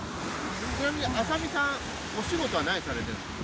ちなみに麻美さん、お仕事は何されてるんですか？